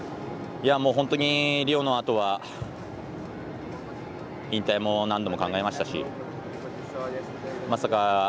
リオのあとは引退も何度も考えましたしまさか